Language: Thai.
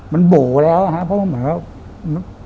มันโบ๋แล้วเพราะมันเหมือนว่า